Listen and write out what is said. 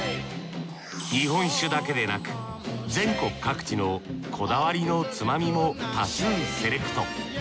日本酒だけでなく全国各地のこだわりのつまみも多数セレクト。